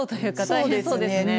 大変そうですね。